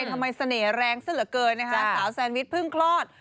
หรือยังไงทำไมเสน่ห์แรงซะเหลือเกินสาวแซนวิชพึ่งคลอด